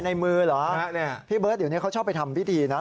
ในมือเหรอพี่เบิร์ตเดี๋ยวนี้เขาชอบไปทำพิธีนะ